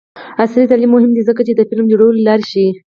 عصري تعلیم مهم دی ځکه چې د فلم جوړولو لارې ښيي.